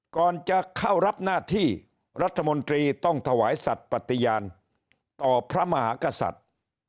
ก่อนจะเข้ารับหน้าที่รัฐมนตรีต้องถวายสัตว์ปฏิญาณต่อพระมหากษัตริย์